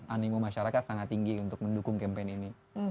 animo masyarakat sangat tinggi untuk mendukung campaign ini